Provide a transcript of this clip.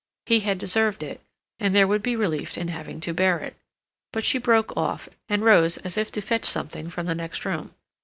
He had deserved it, and there would be relief in having to bear it. But she broke off, and rose as if to fetch something from the next room.